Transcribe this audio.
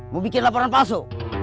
mau bikin laporan palsu